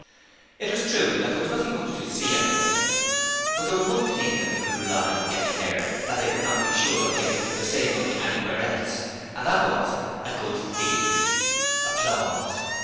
It was true that there was nothing much to see at Tubberton, but there was one thing they could rely on getting there that they could not be sure of getting for the same money anywhere else, and that was a good feed.